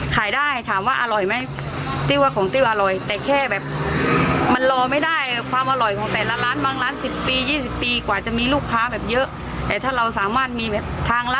กับเสียงที่วิภาพวิจารณ์ขึ้นมานี่แหละ